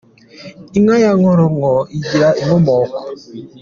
Inka ya Nkororonko igira inkomoko.